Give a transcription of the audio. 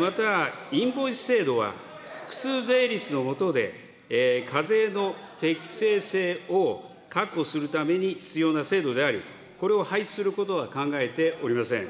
また、インボイス制度は複数税率のもとで課税の適正性を確保するために必要な制度であり、これを廃止することは考えておりません。